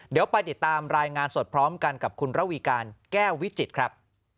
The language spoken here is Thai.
เดี๋ยวไปติดตามรายงานสดพร้อมกันกับคุณระวีการแก้ววิจิตรครับ